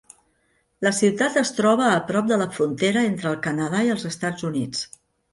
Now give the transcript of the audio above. La ciutat es troba a prop de la frontera entre el Canadà i els Estats Units.